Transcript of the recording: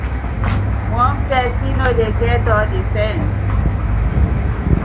One pesin no dey get all the sence.